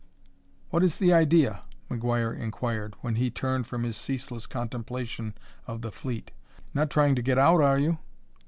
"What is the idea?" McGuire inquired, when he turned from his ceaseless contemplation of the fleet. "Not trying to get out, are you?"